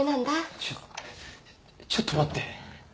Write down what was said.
ちょっちょっと待って。